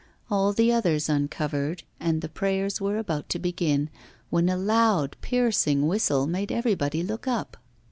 All the others uncovered, and the prayers were about to begin, when a loud piercing whistle made everybody look up.